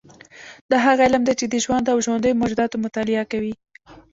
دا هغه علم دی چې د ژوند او ژوندیو موجوداتو مطالعه کوي